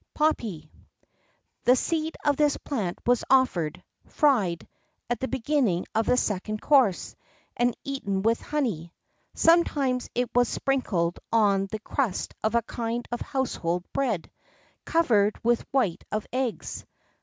POPPY. The seed of this plant was offered, fried, at the beginning of the second course, and eaten with honey.[X 1] Sometimes it was sprinkled on the crust of a kind of household bread, covered with white of eggs.